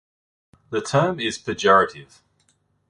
The term is pejorative.